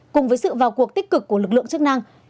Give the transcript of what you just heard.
cùng với sự vào cuộc tích cực của lực lượng chức năng